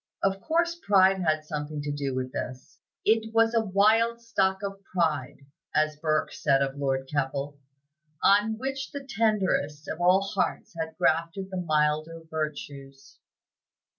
Of course, pride had something to do with this; "it was a wild stock of pride," as Burke said of Lord Keppel, "on which the tenderest of all hearts had grafted the milder virtues."